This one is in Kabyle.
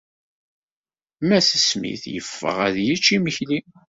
Mass Smith yeffeɣ ad yečč imekli.